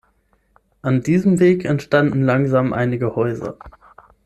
An diesem Weg entstanden langsam einige Häuser.